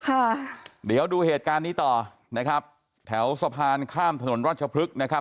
ค่ะเดี๋ยวดูเหตุการณ์นี้ต่อนะครับแถวสะพานข้ามถนนรัชพฤกษ์นะครับ